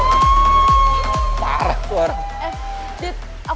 kamu aja ya gak tersenggak